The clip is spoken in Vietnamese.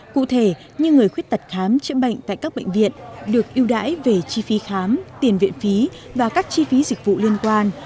cụ thể như người khuyết tật khám chữa bệnh tại các bệnh viện được ưu đãi về chi phí khám tiền viện phí và các chi phí dịch vụ liên quan